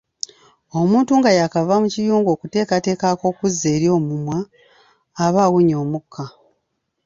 Omuntu bwaba nga yakava mu kiyungu okuteekateeka ak'okuzza eri omumwa, aba awunya omukka.